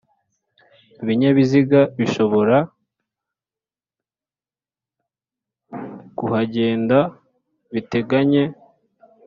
ibinyabiziga bishobora kuhagenda biteganye